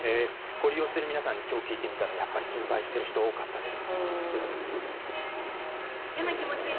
ご利用している皆さんに聞いてみたら心配している方多かったです。